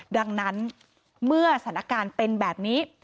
ดังนั้นเมื่อสถานการณ์เป็นแบบนี้